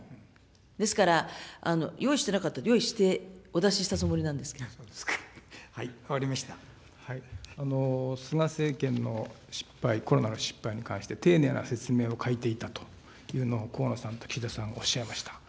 ですから、用意していなかったって、用意してお出ししたつもりなそうですか、はい、分かりま菅政権の失敗、コロナの失敗に関して、丁寧な説明を欠いていたというのを、河野さんと岸田さんがおっしゃいました。